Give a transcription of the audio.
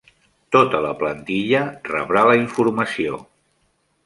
Tota la plantilla rebrà la informació.